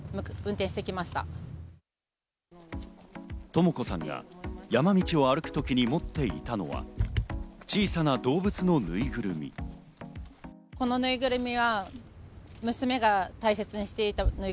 とも子さんが山道を歩く時に持っていたのは小さな動物のぬいぐるみ。